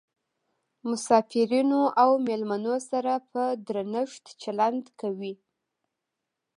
مسافرینو او میلمنو سره په درنښت چلند کوي.